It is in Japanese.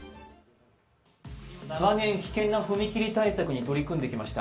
国は長年、危険な踏切対策に取り組んできました。